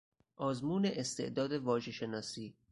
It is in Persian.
آزمون استعداد واژهشناسی